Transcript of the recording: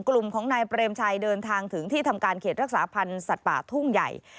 กลุ่มของนายเปรมชัยเดินทางถึงที่ทำการเขตรักษาพันธ์สัตว์ป่าทุ่งใหญ่